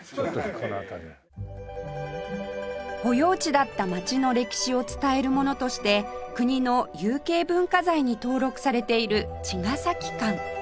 保養地だった街の歴史を伝えるものとして国の有形文化財に登録されている茅ヶ崎館